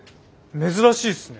珍しいすね。